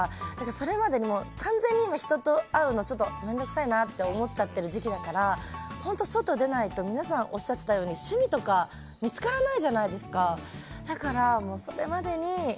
それまでに完全に今人と会うのを面倒くさいなと思っちゃってる時期だから本当に外出ないと皆さん、おっしゃってたように趣味とか見つからないじゃないですか。